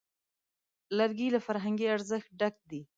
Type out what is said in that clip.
لرګی له فرهنګي ارزښت ډک دی.